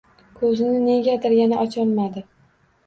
Ko‘zini negadir yana ocholmadi.